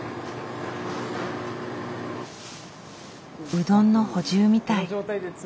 うどんの補充みたい。